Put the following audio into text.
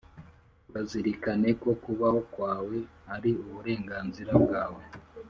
Urazirikane ko kubaho kwawe Ari uburenganzira bwawe